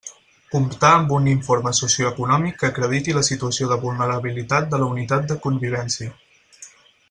Comptar amb un informe socioeconòmic que acrediti la situació de vulnerabilitat de la unitat de convivència.